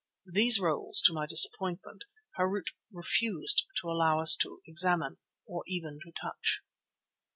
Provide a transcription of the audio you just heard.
These rolls, to my disappointment, Harût refused to allow us to examine or even to touch.